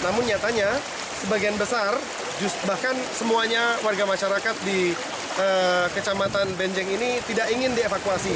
namun nyatanya sebagian besar bahkan semuanya warga masyarakat di kecamatan benjeng ini tidak ingin dievakuasi